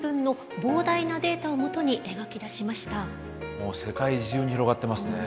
もう世界中に広がってますね。